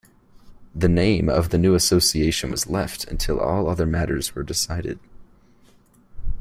The name of the new Association was left until all other matters were decided.